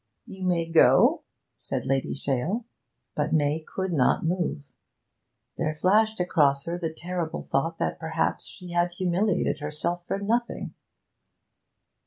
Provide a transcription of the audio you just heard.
'You may go,' said Lady Shale. But May could not move. There flashed across her the terrible thought that perhaps she had humiliated herself for nothing.